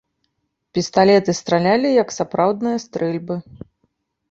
Пісталеты стралялі, як сапраўдныя стрэльбы.